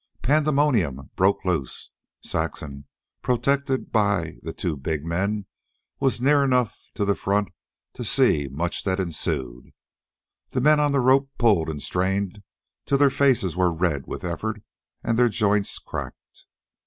Pandemonium broke loose. Saxon, protected by the two big men, was near enough to the front to see much that ensued. The men on the rope pulled and strained till their faces were red with effort and their joints crackled.